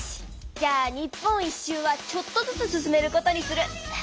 じゃあ日本一周はちょっとずつ進めることにする！